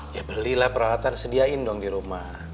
ya belilah peralatan sediain dong dirumah